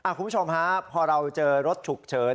คุณผู้ชมฮะพอเราเจอรถฉุกเฉิน